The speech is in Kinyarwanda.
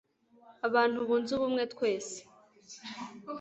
abantu bunze ubumwe twese